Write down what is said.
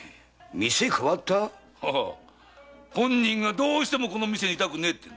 店を代わった⁉ああ本人がどうしてもこの店に居たくねえってな。